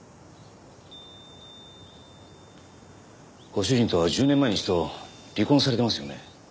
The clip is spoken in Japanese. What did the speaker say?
ご主人とは１０年前に一度離婚されてますよね？